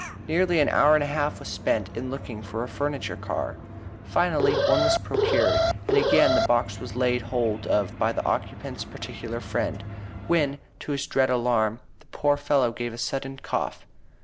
Nearly an hour and a half was spent in looking for a furniture car. Finally one was procured, and again the box was laid hold of by the occupant's particular friend, when, to his dread alarm, the poor fellow within gave a sudden cough.